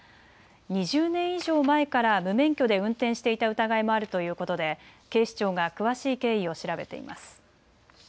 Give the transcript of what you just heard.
２０年以上前から無免許で運転していた疑いもあるということで警視庁が詳しい経緯を調べています。